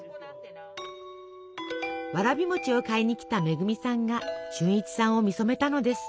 わらび餅を買いにきた恵さんが俊一さんを見初めたのです。